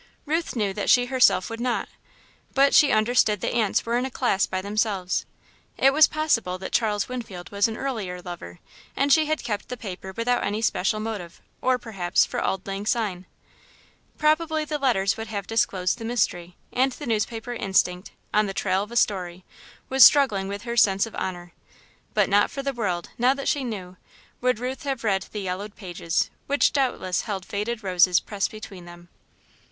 Ruth knew that she herself would not, but she understood that aunts were in a class by themselves. It was possible that Charles Winfield was an earlier lover, and she had kept the paper without any special motive, or, perhaps, for "auld lang syne." Probably the letters would have disclosed the mystery, and the newspaper instinct, on the trail of a "story," was struggling with her sense of honour, but not for the world, now that she knew, would Ruth have read the yellowed pages, which doubtless held faded roses pressed between them.